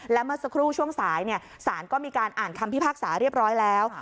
และเมื่อสักครู่ช่วงสายศาลก็มีการอ่านคำพิพากษาเรียบร้อยแล้ว